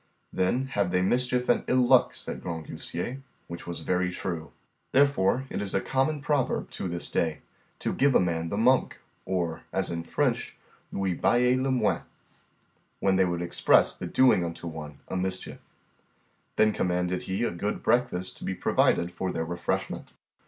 Then have they mischief and ill luck, said Grangousier; which was very true. Therefore is it a common proverb to this day, to give a man the monk, or, as in French, lui bailler le moine, when they would express the doing unto one a mischief. Then commanded he a good breakfast to be provided for their refreshment.